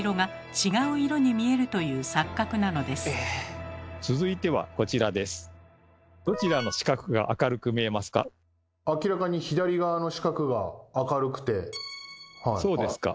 そうですか。